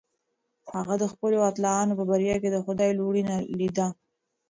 هغه د خپلو اتلانو په بریا کې د خدای لورینه لیده.